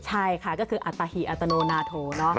ใช่ค่ะก็คืออัตหีอัตโนนาโถ